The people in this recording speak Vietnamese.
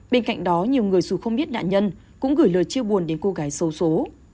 bên cạnh đó nhiều người dù không biết nạn nhân cũng gửi lời chia buồn đến cô gái sâu số